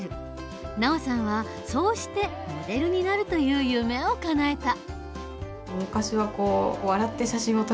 ＮＡＯさんはそうしてモデルになるという夢をかなえた。